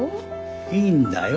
いいんだよ。